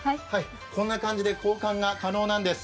こんな感じで交換が可能なんです。